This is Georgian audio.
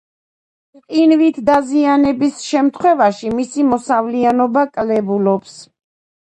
ყინვით დაზიანების შემთხვევაში მისი მოსავლიანობა კლებულობს.